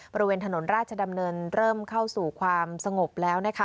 บริเวณถนนราชดำเนินเริ่มเข้าสู่ความสงบแล้วนะคะ